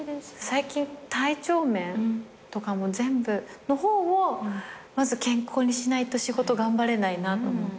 最近体調面とかの方をまず健康にしないと仕事頑張れないなと思って。